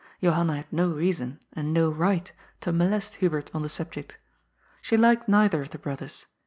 Johanna had no reason, and no right, to mo lest Hubert on the subject. She liked neither of the brothers.